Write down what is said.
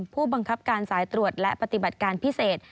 ผู้บังคับการสายตรวจและปฏิบัติการพิเศษ